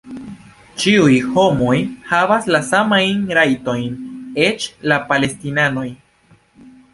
Ĉiuj homoj havas la samajn rajtojn... eĉ la palestinanoj!